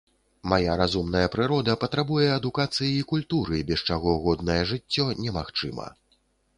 Мая разумная прырода патрабуе адукацыі і культуры, без чаго годнае жыццё немагчыма.